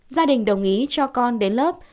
gia đình đồng ý cho con đến lớp